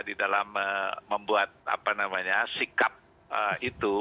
di dalam membuat sikap itu